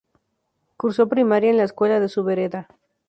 Cursó primaria en la escuela de su vereda.